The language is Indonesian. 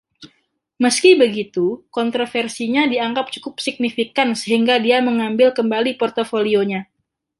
Meski begitu, kontroversinya dianggap cukup signifikan sehingga dia mengambil kembali portofolionya.